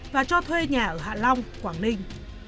và cho thuê nhà ở hạ long quảng ninh